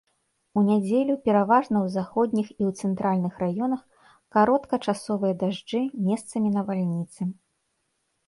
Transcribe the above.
У нядзелю пераважна ў заходніх і ў цэнтральных раёнах кароткачасовыя дажджы, месцамі навальніцы.